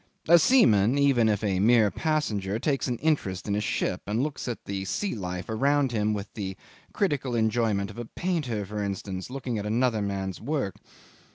A seaman, even if a mere passenger, takes an interest in a ship, and looks at the sea life around him with the critical enjoyment of a painter, for instance, looking at another man's work.